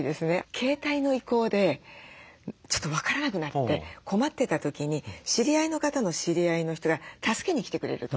携帯の移行でちょっと分からなくなって困ってた時に知り合いの方の知り合いの人が助けに来てくれると。